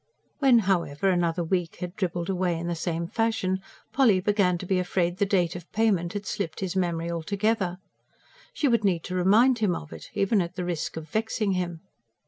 When, however, another week had dribbled away in the same fashion, Polly began to be afraid the date of payment had slipped his memory altogether. She would need to remind him of it, even at the risk of vexing him.